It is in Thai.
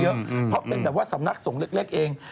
เพราะเป็นแบบว่าสำนักสงฆ์เล็กเอง